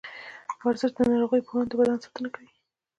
ورزش د نارغيو پر وړاندې د بدن ساتنه کوي.